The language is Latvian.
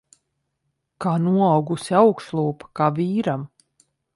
Kā noaugusi augšlūpa. Kā vīram.